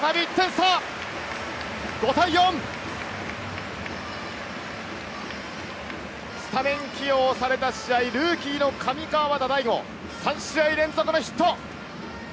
スタメン起用された試合、ルーキーの上川畑大悟、３試合連続のヒット。